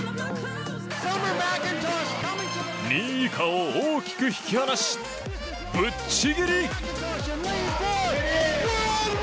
２位以下を大きく引き離しぶっちぎり！